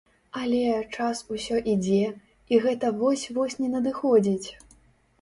Але, час усё ідзе, і гэта вось-вось не надыходзіць.